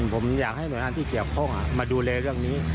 ผมอยากให้หน่วยงานที่เกี่ยวข้องมาดูแลเรื่องนี้